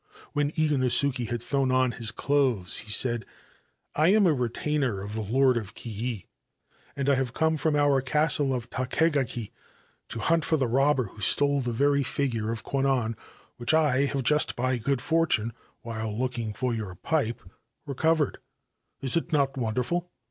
When Iganosuke had thrown on his clothes, he saic * I am a retainer of the Lord of Kii, and I have cc from our castle of Takegaki to hunt for the robber \ stole the very figure of Kwannon which I have just good fortune while looking for your pipe recovered, it not wonderful